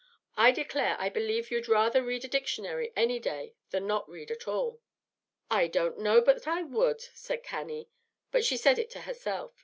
I declare, I believe you'd rather read a dictionary any day than not read at all." "I don't know but I would," said Cannie; but she said it to herself.